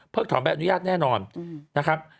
ถอนใบอนุญาตแน่นอนนะครับ